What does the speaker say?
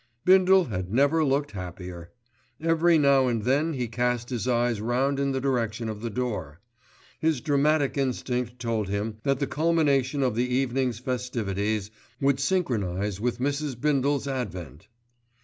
Bindle had never looked happier. Every now and then he cast his eyes round in the direction of the door. His dramatic instinct told him that the culmination of the evening's festivities would synchronise with Mrs. Bindle's advent.